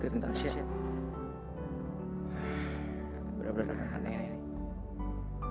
kamu kenapa sih dari tadi di jalan aku perhatiin kamu diam terus